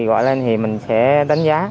gọi lên thì mình sẽ đánh giá